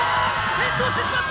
転倒してしまった！